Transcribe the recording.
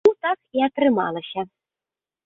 Таму так і атрымалася.